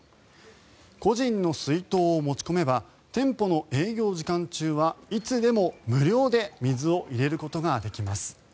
個人の水筒を持ち込めば店舗の営業時間中はいつでも無料で水を入れることができます。